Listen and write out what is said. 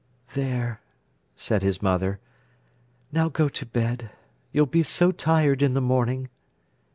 "There," said his mother, "now go to bed. You'll be so tired in the morning."